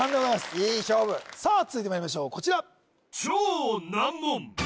いい勝負さあ続いてまいりましょうこちら